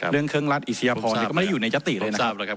เรื่องเครื่องรัฐอิสยพรก็ไม่ได้อยู่ในยติเลยนะครับผมทราบแล้วครับ